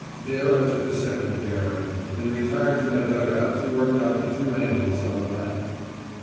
There I took a second bearing, and retired to my dug out to work out the two angles on the map.